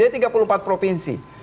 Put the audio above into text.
jadi tiga puluh empat provinsi